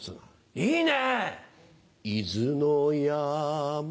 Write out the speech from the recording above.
いいね。